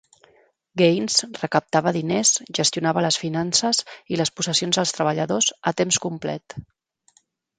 Gaines recaptava diners, gestionava les finances i les possessions dels treballadors a temps complet.